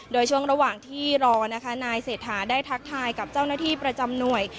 โดยช่วงระหว่างที่รอนะคะนายเศรษฐาได้ทักทายกับเจ้าหน้าที่ประจำหน่วย